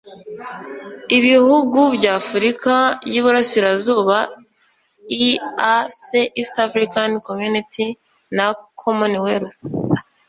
ibihugu by'afurika y'iburasirazuba (eac easter african community) na commonwealth